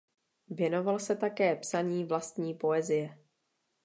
Věnoval se také psaní vlastní poezie.